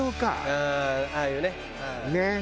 うんああいうね。